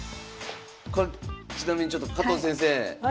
これちなみにちょっと加藤先生